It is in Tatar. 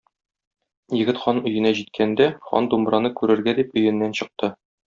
Егет хан өенә җиткәндә хан думбраны күрергә дип өеннән чыкты.